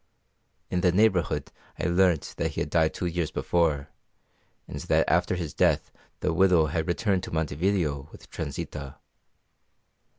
In the neighbourhood I learnt that he had died two years before, and that after his death the widow had returned to Montevideo with Transita.